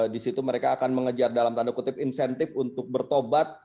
di situ mereka akan mengejar dalam tanda kutip insentif untuk bertobat